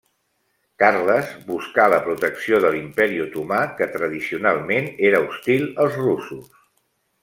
Carles buscà la protecció de l'Imperi Otomà, que tradicionalment era hostil als russos.